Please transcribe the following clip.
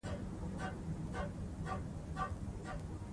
تعلیم د ځوانو میرمنو په وړتیاوو باور زیاتوي.